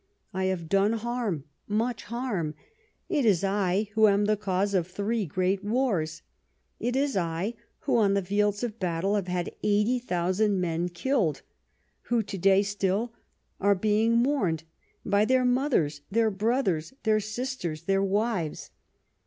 I have done harm, much harm. It is I who am the cause of three great wars ; it is I, who on fields of battle, have had eighty thousand men killed, who, to day still, are being mourned by their mothers, their brothers, their sisters, their wives.